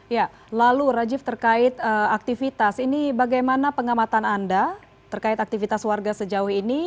ya lalu rajiv terkait aktivitas ini bagaimana pengamatan anda terkait aktivitas warga sejauh ini